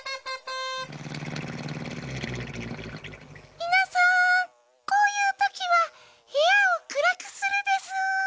みなさんこういうときはへやをくらくするでスー。